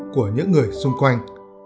của những người xung quanh